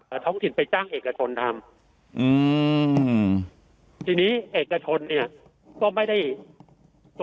ท้องถิ่นไปจ้างเอกชนทำอืมทีนี้เอกชนเนี้ยก็ไม่ได้